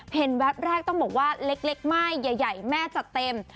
แวบแรกต้องบอกว่าเล็กไม่ใหญ่แม่จัดเต็ม